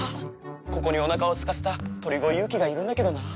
ここにお腹をすかせた鳥越裕貴がいるんだけどな。